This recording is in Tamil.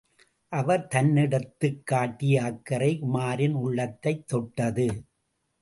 அவர் தன்னிடத்துக் காட்டிய அக்கறை, உமாரின் உள்ளத்தைத் தொட்டது.